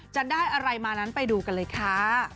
จะได้อะไรมานั้นไปดูกันเลยค่ะ